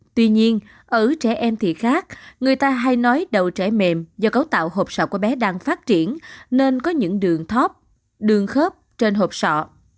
tuy nhiên ở trẻ em thị khác người ta hay nói đầu trẻ mềm do cấu tạo hộp sọ của bé đang phát triển nên có những đường thóp đường khớp trên hộp sọ